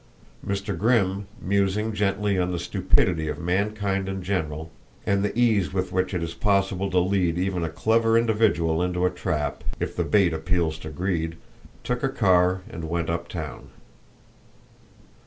Mr. Grimm, musing gently on the stupidity of mankind in general and the ease with which it is possible to lead even a clever individual into a trap, if the bait appeals to greed, took a car and went up town.